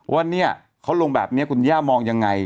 ว่าเขาลงแบบนี้คุณทันยามองยังไง